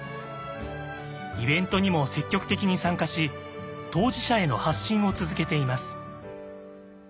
イベントにも積極的に参加し当事者への発信を続けています。